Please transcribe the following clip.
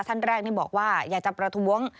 ท่านแรกนี่บอกว่าอยากจะประท้วง